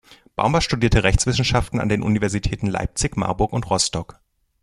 Baumbach studierte Rechtswissenschaften an den Universitäten Leipzig, Marburg und Rostock.